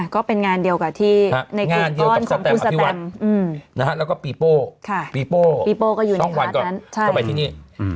ก็เป็นงานเดียวกับที่ในกิจก้อนของคุณสดนะครับแล้วก็ปีโป้ปีโป้ช่องวันก็ไปที่นี่